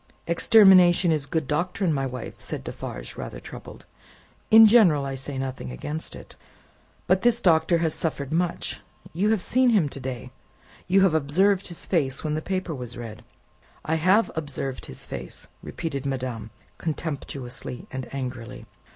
"Extermination is good doctrine, my wife," said Defarge, rather troubled; "in general, I say nothing against it. But this Doctor has suffered much; you have seen him to day; you have observed his face when the paper was read." "I have observed his face!" repeated madame, contemptuously and angrily.